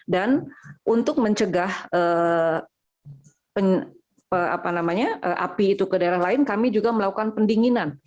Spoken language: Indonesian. dan untuk mencegah api ke daerah lain kami juga melakukan pendinginan